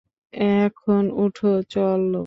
এখন উঠ, চল।